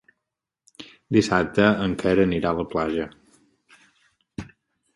Dissabte en Quer anirà a la platja.